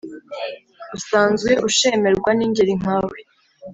usanzwe ushemerwa n'ingeri nkawe